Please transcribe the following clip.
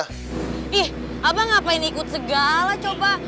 ih abang ngapain ikut segala coba